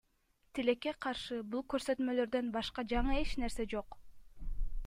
Тилекке каршы, бул көрсөтмөлөрдөн башка жаңы эч нерсе жок.